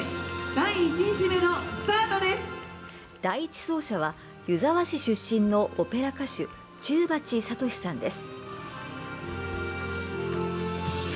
第１走者は、湯沢市出身のオペラ歌手中鉢聡さんです。